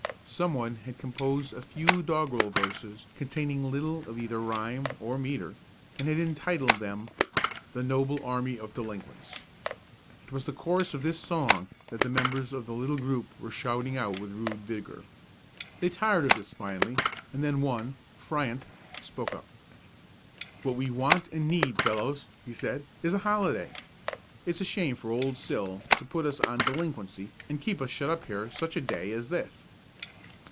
Some one had composed a few doggerel verses containing little of either rhyme or metre, and had entitled them "The Noble Army of Delinquents." It was the chorus of this song that the members of the little group were shouting out with rude vigor. They tired of this finally, and then one, Fryant, spoke up. "What we want and need, fellows," he said, "is a holiday. It's a shame for Old Sil to put us on delinquency and keep us shut up here such a day as this."